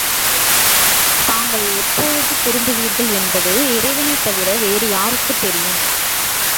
தாங்கள் எப்பொழுது திரும்புவீர்கள் என்பது இறைவனைத் தவிர வேறு யாருக்குத் தெரியும்?